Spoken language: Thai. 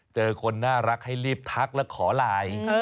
เจอคนน่ารักให้รีบทักแล้วขอไลน์